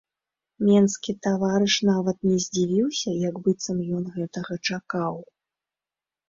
Менскі таварыш нават не задзівіўся, як быццам ён гэтага чакаў.